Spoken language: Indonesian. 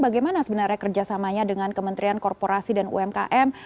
bagaimana sebenarnya kerjasamanya dengan kementerian korporasi dan umkm